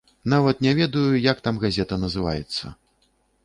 Нават не ведаю, як там газета называецца.